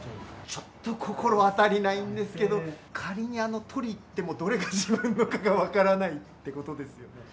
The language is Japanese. ちょっと心当たりないんですけど、仮に取りに行っても、どれが自分のかが分からないってことですよね。